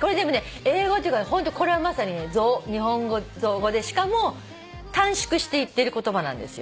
これでもね英語というかホントまさに日本語造語でしかも短縮して言ってる言葉なんですよ。